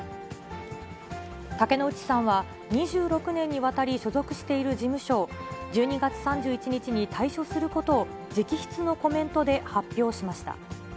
竹野内さんは２６年にわたり、所属している事務所を、１２月３１日に退所することを直筆のコメントで発表しました。